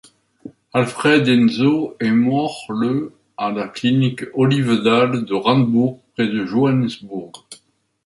Alfred Nzo est mort le à la clinique Olivedale de Randburg près de Johannesburg.